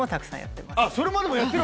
それまでもやってる！